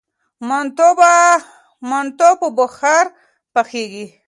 منتو په بخار پخیږي.